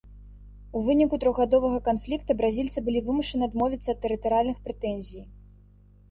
У выніку трохгадовага канфлікта бразільцы былі вымушаны адмовіцца ад тэрытарыяльных прэтэнзій.